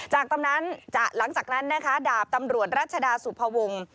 หลังจากนั้นดาบตำรวจรัชดาสุภวง